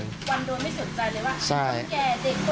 วันศุนย์ไม่สนใจเลยว่ะ